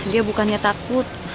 dia bukannya takut